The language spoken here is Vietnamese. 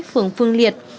phường phương liệt